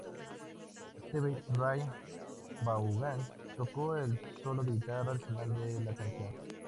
Stevie Ray Vaughan tocó el solo de guitarra al final de la canción.